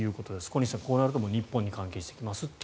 小西さん、こうなると日本に関係してきますと。